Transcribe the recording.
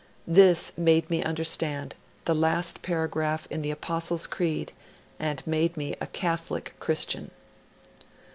This made me understand the last paragraph in the Apostles' Creed, and made me a Catholic Christian.'